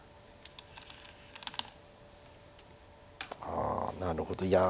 ああなるほどいや。